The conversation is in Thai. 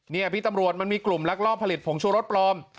นี่พี่ตำรวจมันมีกลุ่มลักลอบผลิตผงชูรสปลอม